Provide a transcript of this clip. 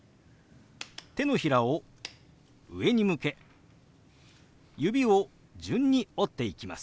手のひらを上に向け指を順に折っていきます。